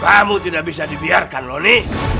kamu tidak bisa dibiarkan loni